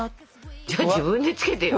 じゃあ自分でつけてよ。